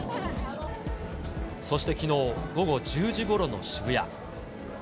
そしてきのう午後１０時ごろの渋谷。